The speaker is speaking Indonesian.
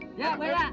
kita keluar ya